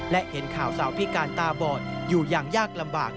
และเห็นข่าวสาวพิการตาบอดอยู่อย่างยากลำบาก